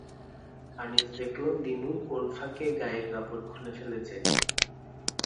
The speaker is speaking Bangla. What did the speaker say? আনিস দেখল দিনু কোন ফাঁকে গায়ের কাপড় খুলে ফেলেছে।